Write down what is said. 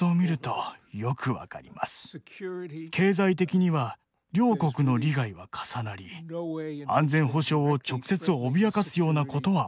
経済的には両国の利害は重なり安全保障を直接脅かすようなことはありません。